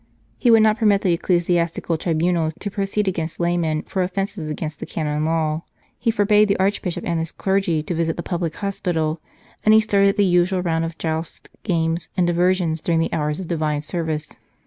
He would not permit the ecclesiastical tribunals to proceed against laymen for offences against the canon law. He forbade the Archbishop and his clergy to 184 The Minister of Charles Borromeo visit the public hospital, and he started the usual round of jousts, games, and diversions, during the hours of Divine service.